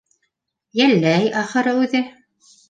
Йәлләй, ахыры, үҙе.